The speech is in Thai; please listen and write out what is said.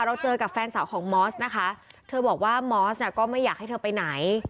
เราเจอกับแฟนสาวของมอสนะคะเธอบอกว่ามอสก็ไม่อยากให้เธอไปไหน